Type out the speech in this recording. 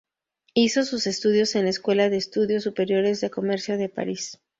Hizo sus estudios en la Escuela de Estudios Superiores de Comercio de París.